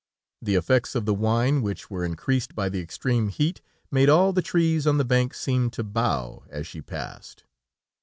The effects of the wine, which were increased by the extreme heat, made all the trees on the bank seem to bow, as she passed.